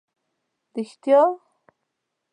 رېښتیا؟!